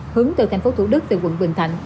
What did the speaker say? hướng từ tp thủ đức về quận bình thạnh